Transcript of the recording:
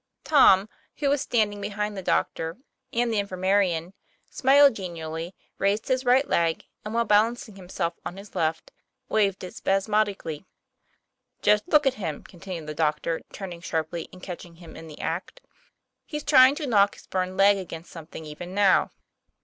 Tom, who was standing behind the doctor and the infirmarian, smiled genially, raised his right leg, and, while balancing himself on his left, waved 4t spas modically. "Just look at him," continued the doctor, turning sharply and catching him in the act; ' he's trying to knock his burned leg against something even now."